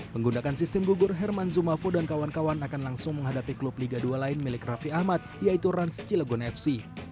menggunakan sistem gugur herman zumafo dan kawan kawan akan langsung menghadapi klub liga dua lain milik raffi ahmad yaitu rans cilegon fc